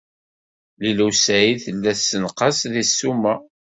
Lila u Saɛid tella tessenqas deg ssuma.